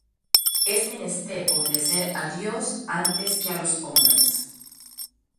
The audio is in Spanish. Es menester obedecer á Dios antes que á los hombres.